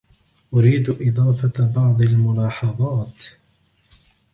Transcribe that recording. أريد إضافة بعض الملاحظات